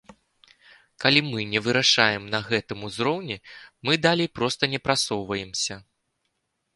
Калі мы не вырашаем на гэтым узроўні, мы далей проста не прасоўваемся.